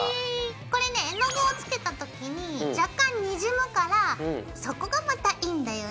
これね絵の具をつけた時に若干にじむからそこがまたいいんだよね。